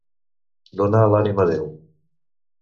Donar l'ànima a Déu.